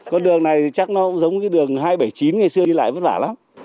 con đường này chắc nó giống cái đường hai trăm bảy mươi chín ngày xưa đi lại vất vả lắm